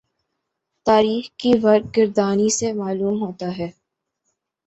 تاریخ کی ورق گردانی سے معلوم ہوتا ہے